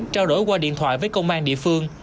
trao đổi qua điện thoại với công an địa phương